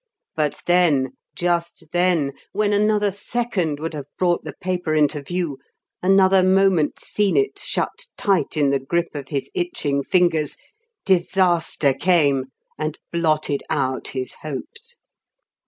But then, just then, when another second would have brought the paper into view, another moment seen it shut tight in the grip of his itching fingers, disaster came and blotted out his hopes!